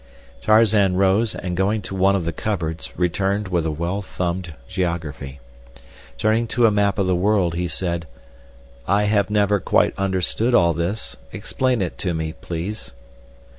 Tarzan rose, and, going to one of the cupboards, returned with a well thumbed geography. Turning to a map of the world, he said: "I have never quite understood all this; explain it to me, please."